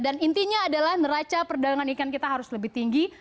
dan intinya adalah neraca perdagangan ikan kita harus lebih tinggi